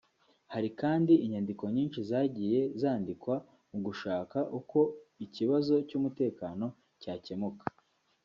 Hari kandi inyandiko nyinshi zagiye zandikwa mu gushaka uko ikibazo cy’umutekano cyakemuka